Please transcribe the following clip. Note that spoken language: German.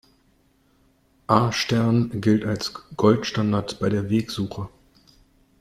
A-Stern gilt als Goldstandard bei der Wegsuche.